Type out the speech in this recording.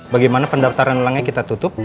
bagaimana pendaftaran ulangnya kita tutup